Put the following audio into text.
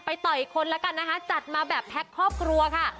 ต่ออีกคนแล้วกันนะคะจัดมาแบบแพ็คครอบครัวค่ะ